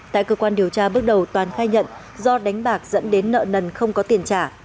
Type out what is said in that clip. tại cơ quan điều tra bước đầu toàn khai nhận do đánh bạc dẫn đến nợ nần không có tiền trả